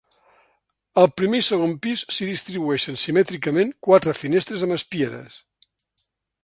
Al primer i segon pis s'hi distribueixen simètricament quatre finestres amb espieres.